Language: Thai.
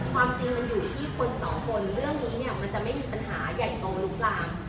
ความจริงมันอยู่ที่คนสองคนเรื่องนี้เนี่ยมันจะไม่มีปัญหาใหญ่โตลุกลาม